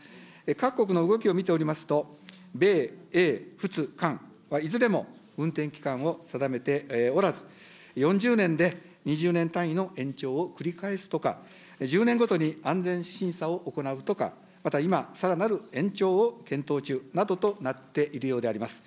各国の動きを見ておりますと、米英仏韓はいずれも運転期間を定めておらず、４０年で２０年単位の延長を繰り返すとか、１０年ごとに安全審査を行うとか、また今、さらなる延長を検討中などとなっているようであります。